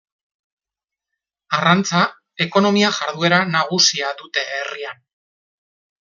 Arrantza ekonomia jarduera nagusia dute herrian.